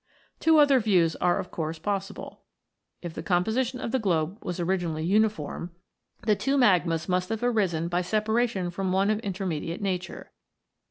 Two other views are of course possible. If the composition of the globe was originally uniform, the 128 ROCKS AND THEIR ORIGINS [OH. two magmas must have arisen by separation from one of intermediate nature.